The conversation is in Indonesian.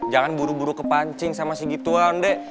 jangan buru buru kepancing sama si gituan deh